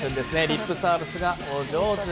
リップサービスがお上手。